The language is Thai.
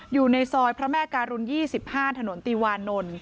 อยู่ในซอยพระแม่การุณ๒๕ถนนติวานนท์